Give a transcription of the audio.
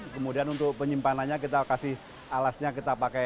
kemudian untuk penyimpanannya kita kasih alasnya kita pakai